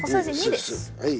はい。